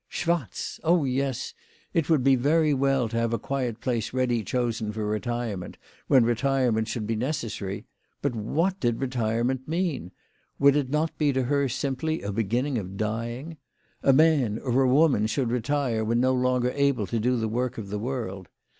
Schwatz ! oh yes ; it would be very well to have a quiet place ready chosen for retirement when retirement should be neces sary. But what did retirement mean ? Would it not be to her simply a beginning of dying ? A man, or a woman, should retire when no longer able to do the work of the world.